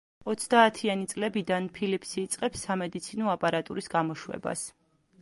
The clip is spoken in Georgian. ოცდაათიანი წლებიდან ფილიპსი იწყებს სამედიცინო აპარატურის გამოშვებას.